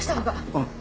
うん。